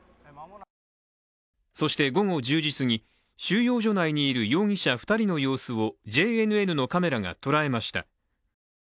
そして午後１０時すぎ、収容所内にいる容疑者２人の様子をＪＮＮのカメラが捉えました。